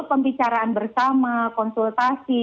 pembicaraan bersama konsultasi